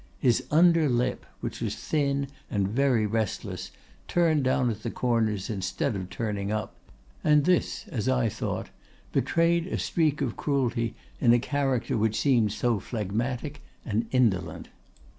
His under lip, which was thin and very restless, turned down at the corners instead of turning up, and this, as I thought, betrayed a streak of cruelty in a character which seemed so phlegmatic and indolent.